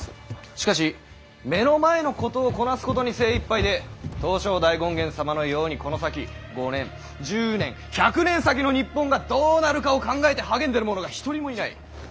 しかし目の前のことをこなすことに精いっぱいで東照大権現様のようにこの先５年１０年１００年先の日本がどうなるかを考えて励んでる者が一人もいない。